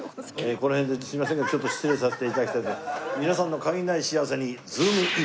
この辺ですみませんがちょっと失礼させて頂きたいと思います。